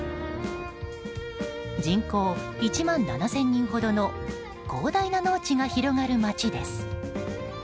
人口１万７０００人ほどの広大な農地が広がる町です。